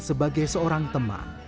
sebagai seorang teman